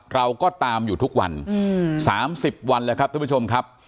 เราก็ตามอยู่ทุกวัน๓๐วันแล้วครับท่านผู้ชมครับ